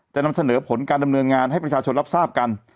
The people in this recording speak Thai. จะนำเสนอผลการดำเนินงานให้ประชาชนรับทราบกัน